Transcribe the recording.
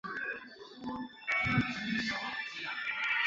手工电弧焊最常见的焊接工艺。